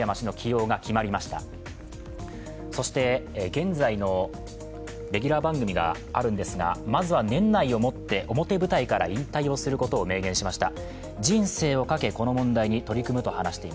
現在のレギュラー番組があるんですがまずは年内をもって表舞台から引退をすることを明言しました。